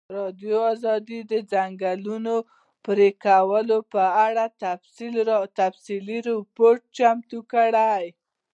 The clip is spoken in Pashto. ازادي راډیو د د ځنګلونو پرېکول په اړه تفصیلي راپور چمتو کړی.